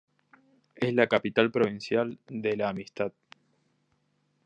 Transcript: Es la capital provincial de la Amistad.